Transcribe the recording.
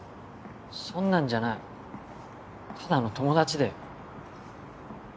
そんなんじゃないただの友達だよ。